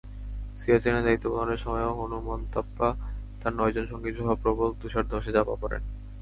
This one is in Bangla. সিয়াচেনে দায়িত্ব পালনের সময় হনুমন্তাপ্পা তাঁর নয়জন সঙ্গীসহ প্রবল তুষারধসে চাপা পড়েন।